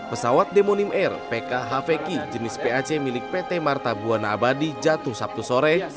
pesawat demonim air pkhvki jenis pac milik pt marta buwana abadi jatuh sabtu sore sebelas agustus dua ribu delapan belas